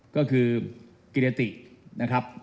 ก็คือกิรตินะครับ